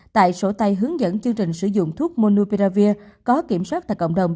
tại sổ tay hướng dẫn chương trình sử dụng thuốc monupravir có kiểm soát tại cộng đồng